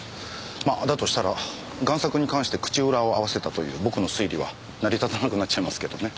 だとしたら贋作に関して口裏を合わせたという僕の推理は成り立たなくなっちゃいますけどね。